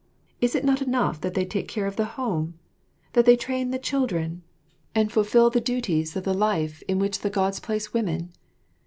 Is it not enough that they take care of the home, that they train the children and fulfill the duties of the life in which the Gods place women?